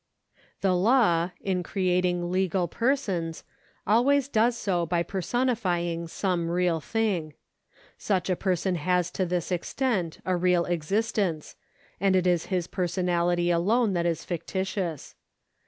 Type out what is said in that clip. The law, in creating legal persons, always does so by per sonifying some real thing. Such a person has to this extent a real existence, and it is his personality alone that is fictitious.